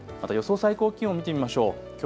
最高気温見てみましょう。